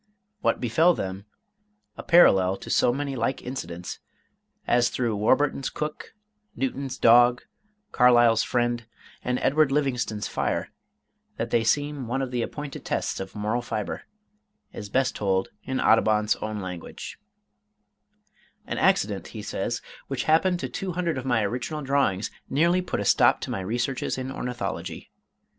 What befell them a parallel to so many like incidents, as through Warburton's cook, Newton's dog, Carlyle's friend, and Edward Livingston's fire, that they seem one of the appointed tests of moral fibre is best told in Audubon's own language: "An accident," he says, "which happened to two hundred of my original drawings, nearly put a stop to my researches in ornithology.